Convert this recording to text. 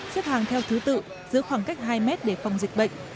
xếp hàng theo thứ tự giữa khoảng cách hai m để phòng dịch bệnh